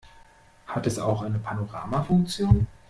Hat es auch eine Panorama-Funktion?